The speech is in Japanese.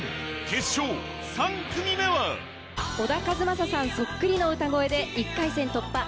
決勝３組目は小田和正さんそっくりの歌声で１回戦突破